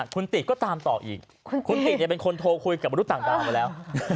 คุณติก็ตามต่ออีกคุณติเป็นคนโทรคุยกับมนุษย์ต่างดาวมาแล้ว